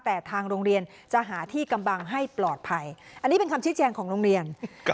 แต่ทางโรงเรียนจะหาที่กำบังให้ปลอดภัยอันนี้เป็นคำชี้แจงของโรงเรียน